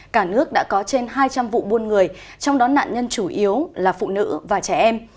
cả nước đã có trên hai trăm linh vụ buôn người trong đó nạn nhân chủ yếu là phụ nữ và trẻ em